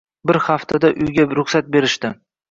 Bir haftada uyga ruxsat berishdi